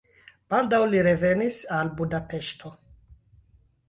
Baldaŭ li revenis al Budapeŝto.